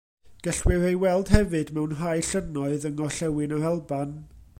Gellir ei weld hefyd mewn rhai llynnoedd yng ngorllewin yr Alban.